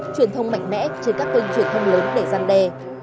truyền thông mạnh mẽ trên các kênh truyền thông lớn để gian đe